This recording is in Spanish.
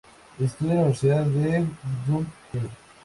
Estudia en la Universidad de Kyung Hee.